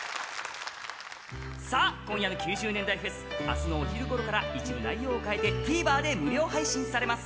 さあ、今夜の９０年代フェス、明日のお昼ごろから一部内容を変えてＴＶｅｒで無料配信されます。